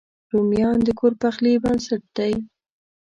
رومیان د کور پخلي بنسټ دی